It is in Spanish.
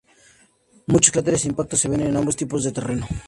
Muchos cráteres de impacto se ven en ambos tipos de terreno.